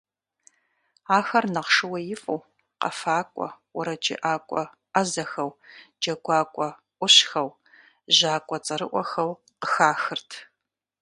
Ахэр нэхъ шууеифӀу, къэфакӀуэ, уэрэджыӀакӀуэ Ӏэзэхэу, джэгуакӀуэ Ӏущхэу, жьакӀуэ цӀэрыӀуэхэу къыхахырт.